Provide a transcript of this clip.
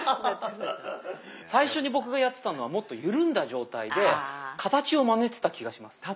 最初に僕がやってたのはもっとゆるんだ状態で形をまねてた気がします。